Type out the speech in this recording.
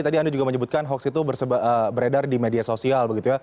tadi anda juga menyebutkan hoax itu beredar di media sosial begitu ya